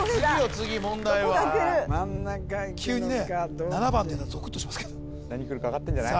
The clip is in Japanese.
次問題は真ん中いくのか急にね７番っていったらゾクッとしますけど何くるか分かってんじゃない？